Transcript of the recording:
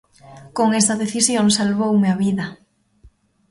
Con esa decisión, salvoume a vida.